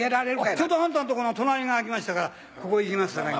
ちょうどあんたのとこの隣が空きましたからここ行きますさかいに。